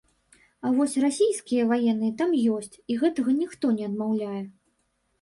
А вось расійскія ваенныя там ёсць і гэтага ніхто не адмаўляе.